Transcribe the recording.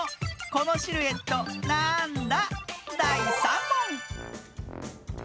このシルエットなんだ？